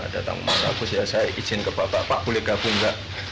datang mas agus ya saya izin ke bapak pak boleh gabung pak